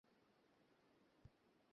মক্ষী, বলো বন্দেমাতরং!